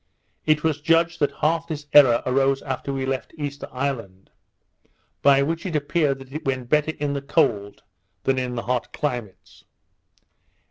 It was judged that half this error arose after we left Easter Island; by which it appeared that it went better in the cold than in the hot climates.